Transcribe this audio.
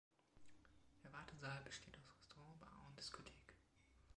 Der Wartesaal besteht aus Restaurant, Bar und Diskothek.